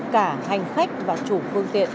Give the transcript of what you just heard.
cả hành khách và chủ phương tiện